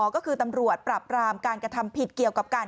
ก็คือตำรวจปราบรามการกระทำผิดเกี่ยวกับการ